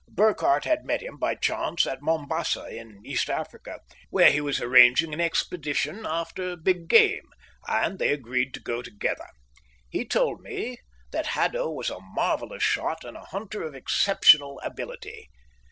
Burkhardt had met him by chance at Mombasa in East Africa, where he was arranging an expedition after big game, and they agreed to go together. He told me that Haddo was a marvellous shot and a hunter of exceptional ability.